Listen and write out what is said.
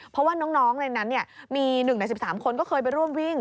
เพราะว่าน้องในนั้นมี๑ใน๑๓คนก็เคยไปร่วมวิ่ง